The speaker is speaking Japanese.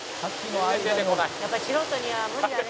「やっぱ素人には無理だね」